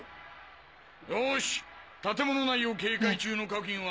よし建物内を警戒中の各員は。